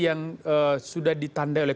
yang sudah ditandai oleh